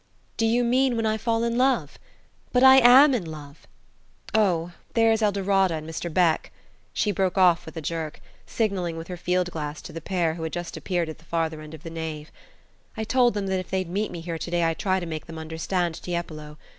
"Do you mean, when I fall in love? But I am in love Oh, there's Eldorada and Mr. Beck!" She broke off with a jerk, signalling with her field glass to the pair who had just appeared at the farther end of the nave. "I told them that if they'd meet me here to day I'd try to make them understand Tiepolo.